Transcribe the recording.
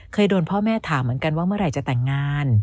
เคยโดนพ่อแม่ถามเหมือนกันว่าเมื่อไหร่จะแต่งงาน